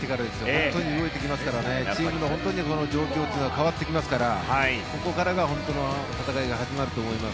本当に動いてきますからチームの状況は変わってきますからここからが本当の戦いが始まると思います。